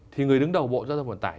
thì người đứng đầu bộ giao thông vận tải